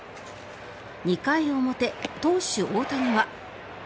２回表、投手・大谷は。